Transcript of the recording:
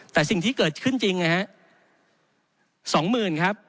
แต่สิ่งที่เกิดขึ้นจริงนะฮะ๒๐๐๐ครับ